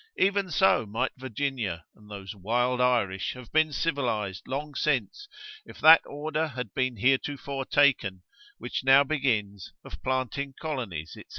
Even so might Virginia, and those wild Irish have been civilised long since, if that order had been heretofore taken, which now begins, of planting colonies, &c.